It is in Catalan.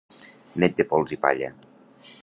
Net de pols i palla.